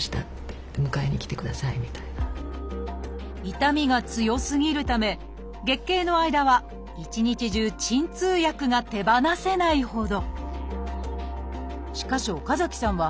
痛みが強すぎるため月経の間は一日中鎮痛薬が手放せないほど。